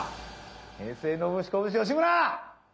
平成ノブシコブシ吉村！